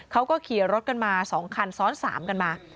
เขาก็ขี่รถกันมา๒คันซ้อน๓กันมา